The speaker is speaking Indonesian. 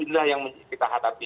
inilah yang kita hatapi